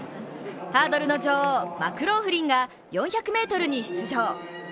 ハードルの女王、マクローフリンが４００ｍに出場。